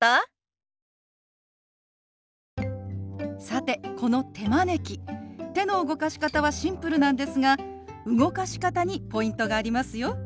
さてこの手招き手の動かし方はシンプルなんですが動かし方にポイントがありますよ。